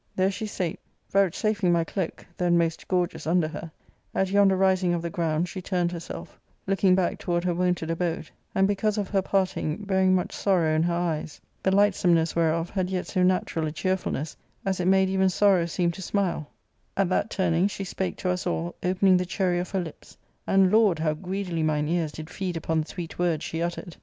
There she sate, vouchsafing my cloak (then most gorgeous) under her ; at yonder rising of the ground she turned herself, looking back toward her wonted abode, and because of her parting, bearing much sorrow in her eyes, • the lightsomeness whereof had yet so natural a cheerfulness ' as it made even sorrow seem to smile ; at that turning she spake to us all, opening the cherry of her lips, and, Lord ! how greedily mine ears did feed upon the sweet words she uttered